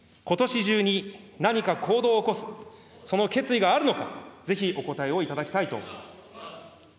ことし中に何か行動を起こす、その決意があるのか、ぜひお答えを頂きたいと思います。